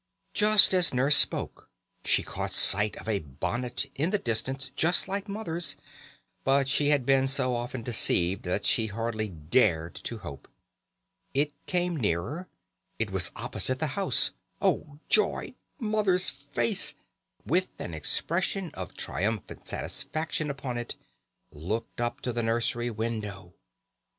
Just as Nurse spoke she caught sight of a bonnet in the distance just like Mother's, but she had been so often deceived that she hardly dared to hope. It came nearer it was opposite the house. Oh, joy! Mother's face, with an expression of triumphant satisfaction upon it, looked up to the nursery window.